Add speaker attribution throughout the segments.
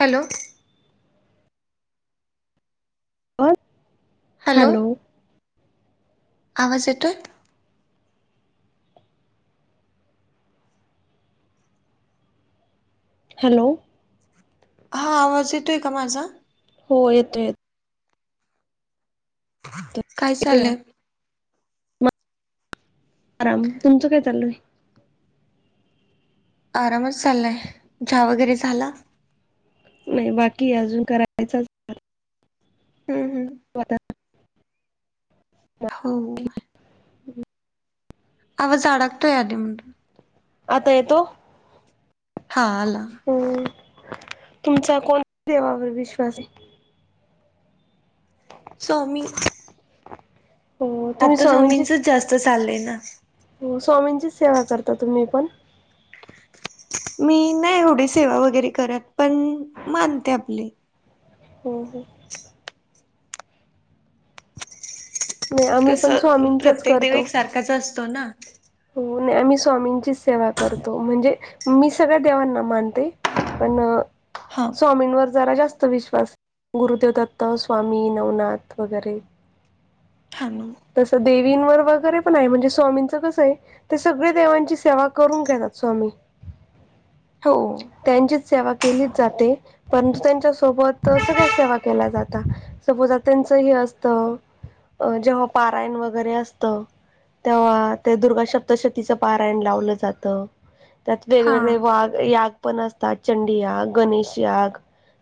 Speaker 1: Hello,
Speaker 2: बर hello.
Speaker 1: आवाज येतोय.
Speaker 2: हॅलो.
Speaker 1: हा आवाज येतोय, का माझा.
Speaker 2: हो येतो येत.
Speaker 1: काय
Speaker 2: येतोय
Speaker 1: चालय.
Speaker 2: मग आराम, तुमचं काय चालूयं.
Speaker 1: आरामच चाललाय, चहा वगैरे झाला.
Speaker 2: नाही बाकी अजून करायचं.
Speaker 1: हम्म हम्म.
Speaker 2: आता
Speaker 1: हो.
Speaker 2: हम्.
Speaker 1: आवाज अडकतोय अधूनमधून.
Speaker 2: आता येतो.
Speaker 1: हा आला.
Speaker 2: हम. तुमचा कोणत्या, देवावर विश्वास ये.
Speaker 1: स्वामी.
Speaker 2: हो तुम्ही
Speaker 1: आता
Speaker 2: स्वामींचीच
Speaker 1: स्वामीचंच जास्त चालय ना.
Speaker 2: स्वामींचीच सेवा करता, तुम्ही पण.
Speaker 1: मी नाही एवढी सेवा वगैरे करत, पण मानते आपली.
Speaker 2: हम हम. नाही आम्ही पण
Speaker 1: कसं
Speaker 2: स्वामींचच
Speaker 1: प्रत्येक देव
Speaker 2: करतो
Speaker 1: एक सारखाच असतो ना.
Speaker 2: हो नाही आम्ही स्वामींचीच सेवा करतो, म्हणजे मी सगळ्या देवांना मानते. पण,
Speaker 1: हा
Speaker 2: स्वामींवर जरा जास्त विश्वास, गुरुदेव दत्त स्वामी नवनाथ वगैरे.
Speaker 1: थां [unintelligible]
Speaker 2: तसं देवींवर वगैरे पण आहे, म्हणजे स्वामींचं कसं ये. तर सगळे देवांची सेवा करून घेतात स्वामी.
Speaker 1: हो.
Speaker 2: त्यांचीच सेवा केली जाते. परंतु त्यांच्या सोबत सगळ्या सेवा केल्या जातात, सपोज अ.. त्यांचं हे असतं. अ जेव्हा पारायण वगैरे असतं. तेव्हा ते दुर्गा सप्तशतीचं पारायण लावलं जात, त्यात
Speaker 1: हा
Speaker 2: वेगवेगळे वार. याग पण असतात, चंडी याग, गणेश याग,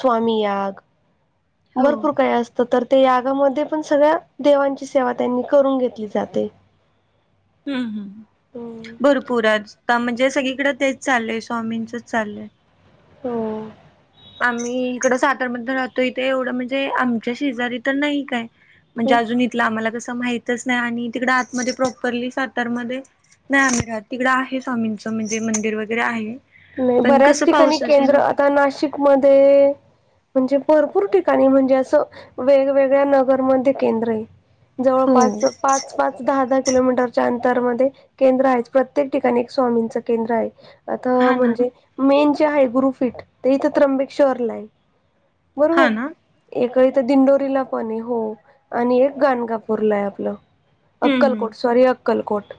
Speaker 2: स्वामी याग.
Speaker 1: हो
Speaker 2: भरपूर काही असत तर ते, यागामध्ये पण सगळ्या देवांची सेवा त्यांनी करून घेतली जाते.
Speaker 1: हम्म हम्. भरपूर चं आता म्हणजे, सगळीकडें तेच चालूय स्वामींचच चाललंय.
Speaker 2: हो.
Speaker 1: आम्ही इकडं सातार राहतो, येथे एवढं म्हणजे आमच्या शेजारी तर नाही काय. म्हणजे अजून इथलं आम्हाला कसं माहितच नाही, आणि तिकड आतमध्ये प्रॉपरली सातार मध्ये. नाही आम्ही जात तिकडं आहे, स्वामींचं म्हणजे मंदिर वगैरे आहे.
Speaker 2: नाही
Speaker 1: पण
Speaker 2: बऱ्याच
Speaker 1: कसं
Speaker 2: ठिकाणी
Speaker 1: पाऊसच आहे ना
Speaker 2: केंद्र आता, नाशिकमध्ये. म्हणजे भरपूर ठिकाणी म्हणजे, असं वेगवेगळ्या नगरमध्ये केंद्र ये.
Speaker 1: हो
Speaker 2: जवळपास पाच पाच, दहा दहा किलोमीटरच्या अंतरमध्ये. केंद्र आहे. प्रत्येक ठिकाणी एक स्वामींच केंद्र आहे. आता
Speaker 1: हा ना
Speaker 2: म्हणजे मेन जे आहे, गुरुफिट ते इथे त्र्यंबकेश्वर ला आहे.
Speaker 1: हा
Speaker 2: बरोबर.
Speaker 1: ना
Speaker 2: एक ही तर दिंडोरीला पण आहे, हो आणि एक गानगापूरला आपलं.
Speaker 1: हम्म हम्म.
Speaker 2: अक्कलकोट सॉरी अक्कलकोट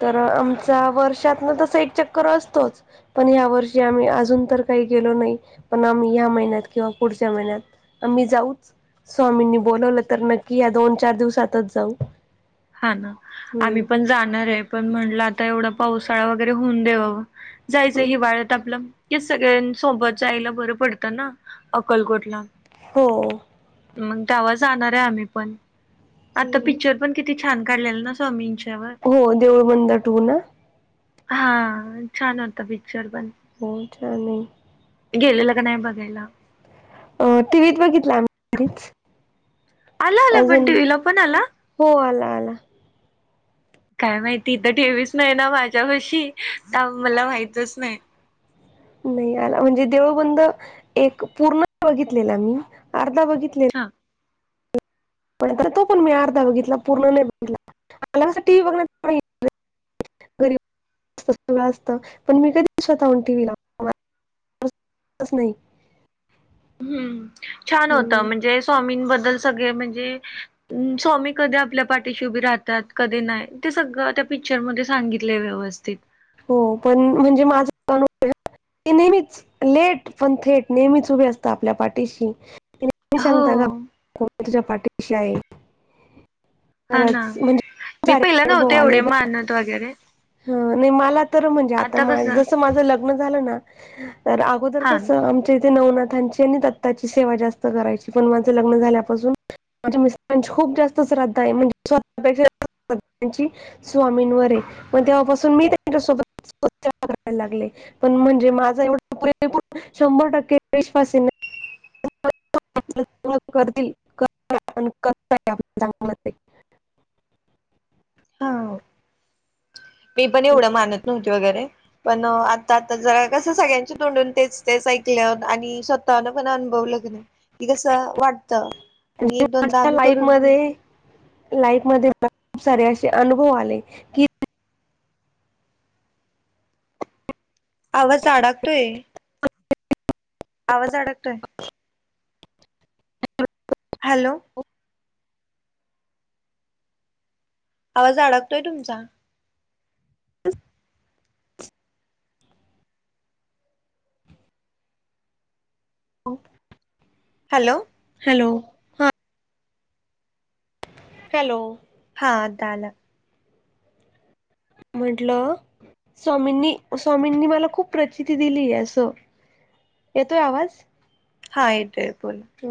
Speaker 2: तर, आमचा वर्षातन तस एक चक्कर असतोच. पण ह्या वर्षी आम्ही अजून तर काही गेलो नाही, पण आम्ही या् महिन्यात किंवा पुढच्या महिन्यात. आम्ही जाऊच., स्वामींनी बोलवलं तर, नक्की या दोन चार दिवसातच जाऊ.
Speaker 1: हा ना आम्ही पण
Speaker 2: हम्म
Speaker 1: जाणार आहे पण. म्हटलं आता एवढा पावसाळा वगैरे होऊन देवाव. जागी जागी वाढत टाकल खीस सगळ्यांसोबत जायला बरं पडतं ना अक्कलकोटला.
Speaker 2: हो.
Speaker 1: मग तवा जाणार आहे आम्ही पण, आता पिक्चर पण किती. किती छान काढलेलं ना स्वामींच्यावर.
Speaker 2: हो देऊळबंद टू ना.
Speaker 1: हा छान होता पिक्चर पण.
Speaker 2: हो चालेल.
Speaker 1: गेलेलं का नाही बघायला.
Speaker 2: टी व्हीत बघितलं आ घरीच.
Speaker 1: आल्या आल्या पण
Speaker 2: अजून
Speaker 1: टीव्हीला पण आला.
Speaker 2: हो आला आला.
Speaker 1: काय माहिती इथ ठेवीच नाही ना माझ्यापाशी त्यामुळं मला माहितच नाही.
Speaker 2: नाही आला म्हणजे देऊळबंद एक पूर्ण बघितलेला मी अर्धा बघितलेला.
Speaker 1: हा.
Speaker 2: पण तो पण मी अर्धा बघितला पूर्ण नाही बघितला मला टीव्ही बघण्यात गरीब सगळं असत, पण मी कधी स्वतःहून टीव्हीला वैगरे च तसं नई
Speaker 1: हम्म. छान होत
Speaker 2: हम्म.
Speaker 1: म्हणजे स्वामींबद्दल सगळे म्हणजे स्वामी कधी आपल्या पाठीशी उभी राहतात कधी नाही ते सगळं त्या पिक्चरमध्ये सा सांगितले व्यवस्थित.
Speaker 2: हो पण म्हणजे माझ अनु [unintelligible] ते नेहमीच लेट पण थेट नेहमीच उभे असता आपल्या पाठीशी. ते नेहमी
Speaker 1: हो
Speaker 2: सांगता ना [unintelligible] मी तुझ्या पाठीशी आहे.
Speaker 1: हा ना
Speaker 2: खरंच म्हणजे खूप
Speaker 1: मी
Speaker 2: सारे
Speaker 1: पहिलं नव्हते एवढे मानत वगैरे.
Speaker 2: ह नाही मला तर म्हणजे आता जस माझं लग्न झालं ना तर, आ [unintelligible] दर
Speaker 1: हा
Speaker 2: कस तेथे नवनाथांची आणि दत्ताची सेवा जास्त करायची पण माझं लग्न झाल्यापासून माझ्या मिस्टारांची खूप जास्त श्रद्धा आहे म्हणजे स्वतःपेक्षा [unintelligible] त्यांची. स्वामींवर आहे मग तेव्हापासून मी त्यांच्यासोबत [unintelligible] करायला लागले. पण म्हणजे माझा एवढा शंभर टक्के विश्वास आहे ना. तसं म्हणायला सुरुवात करतील कस आप चांगल मध्ये.
Speaker 1: हा, मी पण एवढं मानत नव्हती वगैरे. पण, आता आता जरा कस सगळ्यांचे तोंडून तेच तेच ऐकल्यावर आणि स्वतःन पण अनुभवल की नाही. की कसं वाटत.
Speaker 2: म्हणजे माझ्या लाईफ मध्ये. लाईफ मध्ये खूप सारे असे अनुभव आले की
Speaker 1: आवाज अडाकतोय. आवाज अडकतोय.
Speaker 2: [inaudible]
Speaker 1: हॅलो. आवाज अडकतोय तुमचा. हॅलो.
Speaker 2: हॅलो. हॅलो.
Speaker 1: हा आता आला.
Speaker 2: म्हंटलं स्वामींनी स्वामींनी मला खूप प्रचिती दिलीय असं. येतोय आवाज?
Speaker 1: हा येतोय बोल.
Speaker 2: हो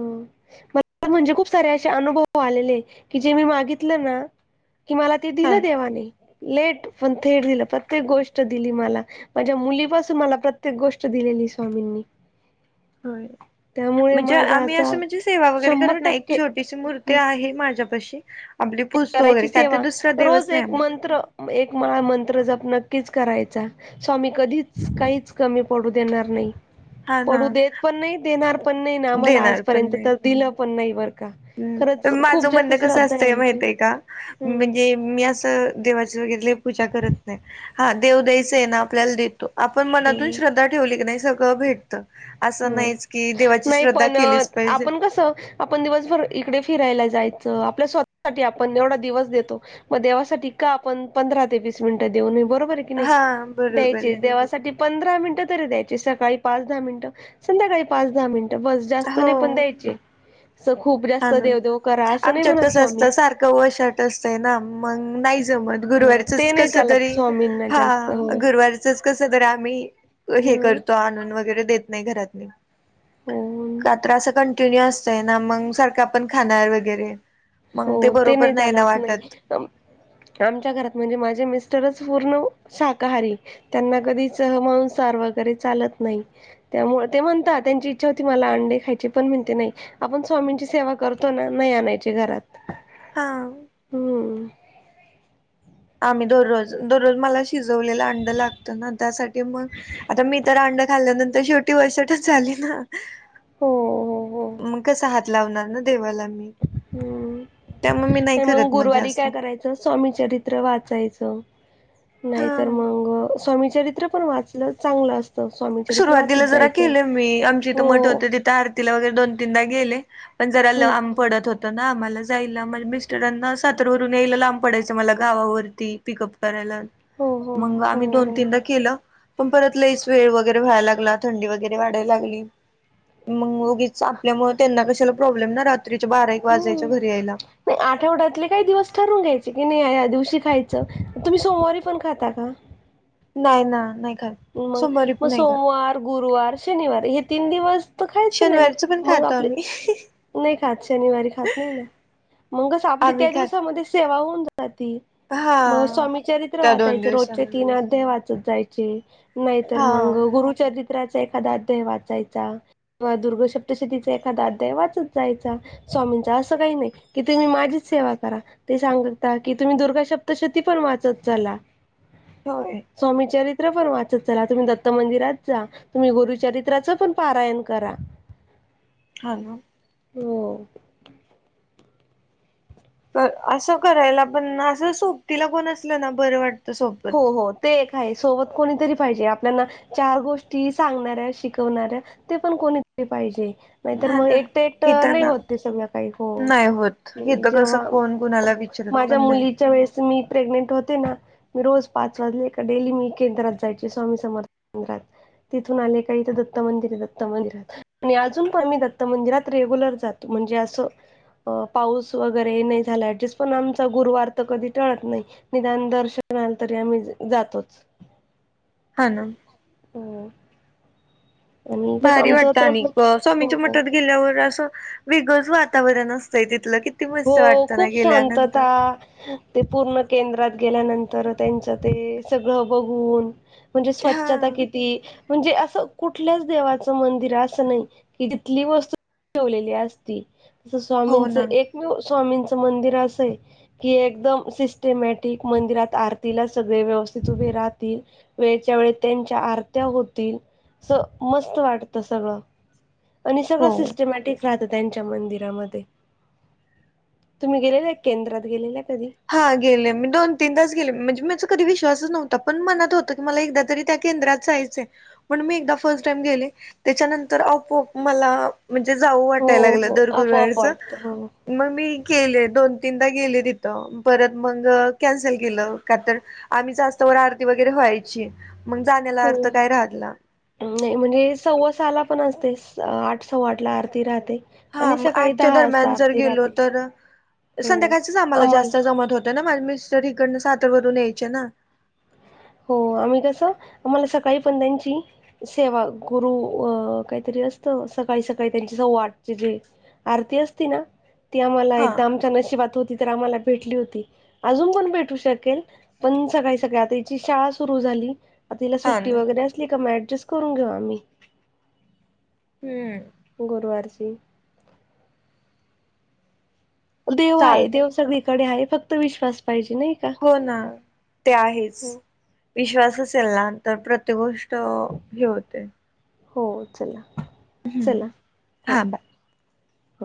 Speaker 2: म म्हणजे खूप सारे असे अनुभव आलेले, की जे मी मागितलं ना. कि मला ते
Speaker 1: हा
Speaker 2: दिलं देवाने, लेट पण थेट दिलं प्रत्येक गोष्ट दिली मला. माझ्या मुलीपासून मला प्रत्येक गोष्ट दिलेली स्वामींनी.
Speaker 1: होय.
Speaker 2: त्यामुळे
Speaker 1: म्हणजे,
Speaker 2: माझा
Speaker 1: आम्ही असं
Speaker 2: असा
Speaker 1: म्हणजे सेवा वगैरे
Speaker 2: शंभर
Speaker 1: करत नाही, एक
Speaker 2: टक्के
Speaker 1: छोटीशी मूर्ती आहे माझ्यापाशी. आपली पूजतो वगैरे
Speaker 2: करायची
Speaker 1: का तर
Speaker 2: सेवा
Speaker 1: दुसरा देवच
Speaker 2: रोज
Speaker 1: नाही
Speaker 2: एक मंत्र एक माळ मंत्र जप नक्कीच करायचा. स्वामी कधीच काहीचं, कमी पडू देणार नाही.
Speaker 1: हां ना.
Speaker 2: पडू देत पण नाही देणार पण नाही ना, आम्हाला
Speaker 1: देणार पण
Speaker 2: आजपर्यंत
Speaker 1: नाही
Speaker 2: तर दिलं पण नाही बरं. का. खरंच खूप
Speaker 1: माझं
Speaker 2: जास्त
Speaker 1: म्हणण कसं
Speaker 2: श्रद्धा
Speaker 1: असतंय
Speaker 2: आमची
Speaker 1: माहित आहे का,
Speaker 2: हम्म
Speaker 1: म्हणजे मी असं देवाचे वगैर. पूजा करत नाही. हा देव द्यायचं ना आपल्याला देतो. आपण मनातून
Speaker 2: हम्म.
Speaker 1: श्रद्धा ठेवली की नाही सगळं भेटत असं,
Speaker 2: हो
Speaker 1: नाहीच की देवाची
Speaker 2: नाही
Speaker 1: श्रद्धा
Speaker 2: पण
Speaker 1: केलीच पाहिजे.
Speaker 2: आपण कसं आपण दिवसभर इकडे फिरायला जायचं, आपल्या स्वतःसाठी आपण एवढा दिवस देतो. मग देवासाठी का आपण पंधरा ते वीस मिनिंट देऊ नये बरोबर आहे. कणी
Speaker 1: हा बरोबर
Speaker 2: द्यायचे
Speaker 1: आहे
Speaker 2: देवासाठी. पंधरा मिनिटं तरी द्यायचे सकाळी पाच दहा मिनिटं संध्याकाळी पाच दहा मिनिटं. बस जास्त
Speaker 1: हो
Speaker 2: नाही पण द्यायचे, असं खूप
Speaker 1: हा
Speaker 2: जास्त देवदेव करा असं नाही, म्हणत स्वामी.
Speaker 1: कवळ शॉट असतंय ना मग, नाही जमतं
Speaker 2: अ ते
Speaker 1: गुरुवारीचच
Speaker 2: नाही
Speaker 1: कसं
Speaker 2: चालत
Speaker 1: तरी.
Speaker 2: स्वामींना जास्त
Speaker 1: हा
Speaker 2: हो
Speaker 1: गुरुवारचचं जरा कसं आम्ही, हे
Speaker 2: हं
Speaker 1: करतो आणून वगैरे देतो. नाही घरातली
Speaker 2: हो
Speaker 1: का तर असं कंटिन्यू असतना म सारखं आपण खाणार वगैरे,
Speaker 2: हो
Speaker 1: मग ते बरोबर नाही ना
Speaker 2: चालत
Speaker 1: वाटतं.
Speaker 2: नाही आमच्या घरात म्हणजे, माझे मिस्टरच पूर्ण शाकाहारी. त्यांना कधीच मांसाहार वगैरे चालत नाही. त्यामुळं ते म्हणतात त्यांची इच्छा होती, मला अंडे खायची पण म्हणते नाही. आपण स्वामींची सेवा करतो ना, नाही आणायचे घरात.
Speaker 1: हां.
Speaker 2: हम.
Speaker 1: आम्ही दररोज, दररोज मला. शिजवलेलं अंड लागत ना, त्यासाठी मग आता मी तर अंड खाल्यानंतर शेव ती वशडच झाली ना.
Speaker 2: हो. हो हो
Speaker 1: मग कसं हात लावणार ना, देवाला मी.
Speaker 2: हम्म
Speaker 1: त्यामुळे मी
Speaker 2: नाही मग
Speaker 1: करत
Speaker 2: गुरुवारी
Speaker 1: जास्त
Speaker 2: काय करायच? स्वामी चरित्र वाचायचं, नाहीतर
Speaker 1: हा.
Speaker 2: मग स्वामीचरि चरित्र पण वाचलं चांगलं असत.
Speaker 1: सुरुवातीला जरा केलं मी आमच्या इथ मठ
Speaker 2: हो
Speaker 1: होते तिथे आरती तिला वगैरे दोन तीनदा गेले, पण जरा
Speaker 2: हम्म
Speaker 1: लांब पडत होतं. तर ना आम्हांला जायला माझ्या मिस्टरांना, सातारवरून यायला लांब पडायचं, मला गावावरती पिकअप करायला.
Speaker 2: हो हो
Speaker 1: मग
Speaker 2: हो
Speaker 1: आम्ही दोन
Speaker 2: हो
Speaker 1: तीनदा केलं, पण परत लईस वेळ वगै वगैरे व्हाय लागला, थंडी वगैरे वाढाय लागली. मग उगीच आपल्यामुळे त्यांना कशाला प्रॉब्लेम ना, रात्रीचे बारा एक वाजायचे
Speaker 2: हम्म.
Speaker 1: घरी यायला.
Speaker 2: नाही आठवड्यातले काही दिवस ठरून घ्यायचे की, नाही या दिवशी खायचं, तुम्ही सोमवारी पण खाता का.
Speaker 1: नाही ना, नाही खातं.
Speaker 2: मग मग सोमवार गुरुवार शनिवार हे तीन दिवस तर खायच नाही,
Speaker 1: शनिवारचं पण
Speaker 2: मग
Speaker 1: खातो
Speaker 2: आपले.
Speaker 1: आम्ही
Speaker 2: नाही खातं शनिवारी खात नाही ना, मग आपली
Speaker 1: आम्ही
Speaker 2: त्या
Speaker 1: खात
Speaker 2: दिवसामध्ये सेवा होऊन जा मग
Speaker 1: हा
Speaker 2: स्वामी चरित्र
Speaker 1: त्या दोन
Speaker 2: वाचायचे, रोजचे
Speaker 1: दिवसामध्ये
Speaker 2: तीन अध्याय वाचत जायचे. नाही तर
Speaker 1: हा
Speaker 2: मगं गुरुचरित्राचा एखादा अध्याय वाचायचा. किंवा दुर्ग सप्तशतीचा एखादा, अद्याय वाचत जायचा. स्वामींच असं काही नाही की तुम्ही माझीच सेवा करा. ते सांगता की तुम्ही दुर्गा शब्दशती पण वाचत चला.
Speaker 1: होय.
Speaker 2: स्वामी चरित्र पण वाचत चला. तुम्ही दत्त मंदिरात जा, तुम्ही गुरुचरित्राचं पण पारायण करा.
Speaker 1: हा नव्ह.
Speaker 2: हो.
Speaker 1: अं असं करायला पण असं सोबतीला कोण असलं ना बरं वाट
Speaker 2: हो हो. ते एक आहे, सोबत कोणीतरी पाहिजे आपल्यांना चार गोष्टी सांगणाऱ्या शिकवणाऱ्या. ते पण कोणी तरी पाहिजे. नाहीतर
Speaker 1: हा
Speaker 2: मग
Speaker 1: ना
Speaker 2: एकटं
Speaker 1: इथ
Speaker 2: एकटं नाही
Speaker 1: ना
Speaker 2: होत ते सगळं काही हो
Speaker 1: नाही होत
Speaker 2: आणि
Speaker 1: इथं कसं
Speaker 2: जेव्हा
Speaker 1: कोण कुणाला विचारत
Speaker 2: माझ्या
Speaker 1: पण नाही
Speaker 2: मुलीच्या वेळेस मी प्रेग्नेंट होते ना मी रोज पाच वाजले का डेली मी केंद्रात जायची, स्वामी समर्थ केंद्रात. तिथून आले का, इथं दत्त मंदिर आहे दत्त मंदिरात. आणि अजून पण मी दत्त मंदिरात रेग्युलर जातो, म्हणजे असं अ पाऊस वगैरे नाही झाला ऍडजस्ट पण आमचा गुरुवार तर कधी टळत नाही. निदान दर्शन आलं तरी आम्ही जातोच.
Speaker 1: हा ना.
Speaker 2: हो आणि कसं
Speaker 1: भारी
Speaker 2: आमचं
Speaker 1: वाटतं
Speaker 2: तर
Speaker 1: आणि कस्वामीच्या
Speaker 2: हो
Speaker 1: मठात गेल्यावर असं विगज वातावरण असतंय तिथलं कि
Speaker 2: हो खूप शांतता ते पूर्ण केंद्रात गेल्यानंतर त्यांचं ते सगळं बघून म्हणजे
Speaker 1: हा
Speaker 2: स्वच्छता की ती म्हणजे असं कुठल्याच देवाचं मंदिर असं नाही, की जिथली वस्तू ठेवलेली असती, तसं
Speaker 1: हो
Speaker 2: स्वामींचं
Speaker 1: ना
Speaker 2: एकमेव स्वामींचं मंदिर असंय की एकदम सिस्टमॅटिक मंदिरात आरतीला सगळे व्यवस्थित उभे राहतील. वेळच्या वेळी त्यांच्या आरत्या होतील, असं मस्त वाटतं सगळं. आणि सगळं
Speaker 1: हो
Speaker 2: सिस्टमॅटिक राहतं त्यांच्या मंदिरामध्ये. तुम्ही गेलेला आहे केंद्रात गेलेलं आहे कधी?
Speaker 1: हा गेले मी दोन तीनदाच गेले, म्हणजे माझा कधी विश्वासच नव्हता. पणत होतं की, मला एकदा तरी त्या केंद्रात जाय पण मी एक फर्स्ट टाईम गेले, त्याच्यानंतर आपोआप अ मला म्हणजे जाऊ वाटाय
Speaker 2: हो
Speaker 1: लागलं
Speaker 2: हो
Speaker 1: दर
Speaker 2: आपोआप
Speaker 1: गुरुवरचं.
Speaker 2: वाटत हो
Speaker 1: मग मी गेले दोन तीनदा गेले तित तो परत मग कॅन्सल केलं, का तर आम्ही जाऊस तवर आरती वगैरे व्हायची. मग जाण्याला
Speaker 2: हो.
Speaker 1: अर्थ काय राहत ला.
Speaker 2: नाही म्हणजे सव्वासाला पण असते, आठ सव्वा आठ ला आरती राहते.
Speaker 1: हा
Speaker 2: आणि
Speaker 1: मग
Speaker 2: सकाळी
Speaker 1: आठच्या
Speaker 2: दहा वाजता
Speaker 1: दरम्यान जर
Speaker 2: आरती
Speaker 1: गेलो
Speaker 2: राहते
Speaker 1: तर,
Speaker 2: हो
Speaker 1: संध्याकाळचच आम्हाला जास्तं जमत होत. हो ना माझे मिस्टर इकडं साताऱ्यारून यायचे ना.
Speaker 2: हो आम्ही कसं आम्हाला सकाळी पंधांची सेवा गुरु अ काहीतरी असतं, सकाळी सकाळी त्यांचे सव्वा आठचे जे आरती असती ना ती आम्हाला
Speaker 1: हा
Speaker 2: एकदा आमच्या नशिबात होती तर आम्हाला भेटली होती, अजून पण भेटू शकेल पण सकाळी सकाळी आता इथे ची शाळा सुरु झाली, आपल्याला हिला
Speaker 1: हा
Speaker 2: सुट्टी
Speaker 1: ना
Speaker 2: वगैरे असली का मग ऍडजेस्ट करून घेऊ आम्ही.
Speaker 1: हम्म.
Speaker 2: गुरुवारची. देव हाय,
Speaker 1: चालते
Speaker 2: देव सगळीकडे हाय फक्त विश्वास पाहिजे नाही का?
Speaker 1: हो ना, ते आहेच‌.
Speaker 2: हो
Speaker 1: विश्वास असेल ना तर प्रत्येक गोष् त हे होतंय.
Speaker 2: हो चला. चला.
Speaker 1: हम्म
Speaker 2: हो
Speaker 1: हा बाय.
Speaker 2: हो.